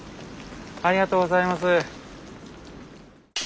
ありがとうございます。